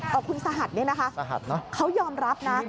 แต่คุณสหัสเนี่ยนะคะเขายอมรับนะ